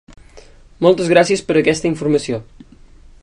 Moltes gràcies per aquesta informació!